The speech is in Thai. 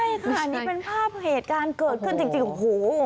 ไม่ใช่ค่ะอันนี้เป็นภาพเหตุการณ์เกิดขึ้นจริงโห